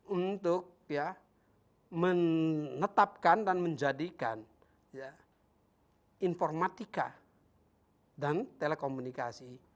untuk menetapkan dan menjadikan informatika dan telekomunikasi